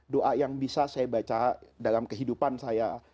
doa yang bisa saya baca dalam kehidupan saya